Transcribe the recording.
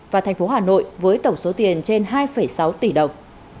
và thành phố hà nội với tổng số tiền trên hai sáu tỷ đồng